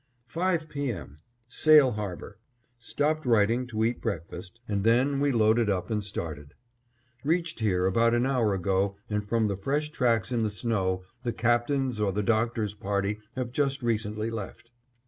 Five P. M.: Sail Harbor. Stopped writing to eat breakfast, and then we loaded up and started. Reached here about an hour ago and from the fresh tracks in the snow, the Captain's or the Doctor's party have just recently left.